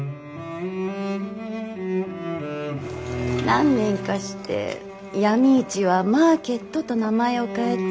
何年かして闇市は「マーケット」と名前を変えて。